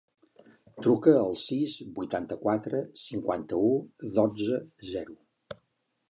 Truca al sis, vuitanta-quatre, cinquanta-u, dotze, zero.